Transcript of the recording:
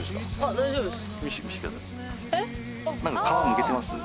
大丈夫ですか？